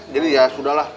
jadi ya sudah lah